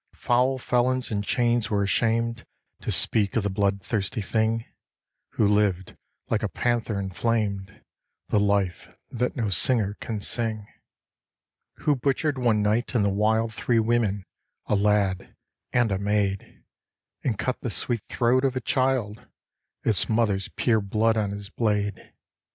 Foul felons in chains were ashamed to speak of the bloodthirsty thing Who lived, like a panther inflamed, the life that no singer can sing Who butchered one night in the wild three women, a lad, and a maid, And cut the sweet throat of a child its mother's pure blood on his blade!